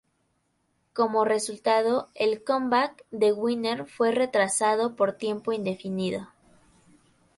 Como resultado, el comeback de Winner fue retrasado por tiempo indefinido.